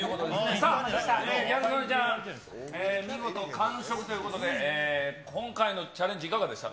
さあ、ギャル曽根ちゃん、見事完食ということで、今回のチャレンジ、いかがでしたか？